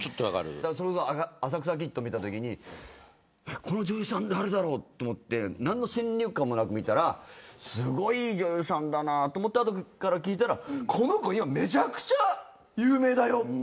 それが、浅草キッド見たときにこの女優さん誰だろうと思って何の先入観もなく見たらすごいいい女優さんだなと思って後から聞いたらこの子、今めちゃくちゃ有名だよって。